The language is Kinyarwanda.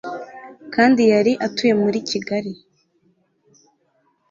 kandi yari atuye muri kigali